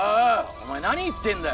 お前何言ってんだよ。